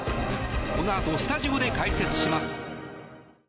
このあとスタジオで解説します。